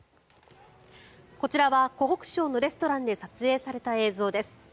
こちらは湖北省のレストランで撮影された映像です。